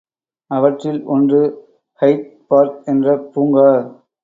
அவற்றில் ஒன்று Hyde Park என்ற பூங்கா.